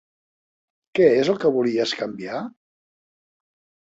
Què és el que volies canviar?